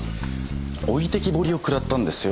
置いてきぼりを食らったんですよ。